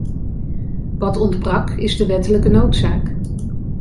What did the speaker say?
Wat ontbrak is de wettelijke noodzaak.